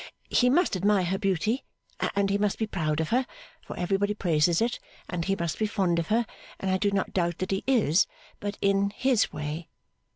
He must admire her beauty, and he must be proud of her, for everybody praises it, and he must be fond of her, and I do not doubt that he is but in his way.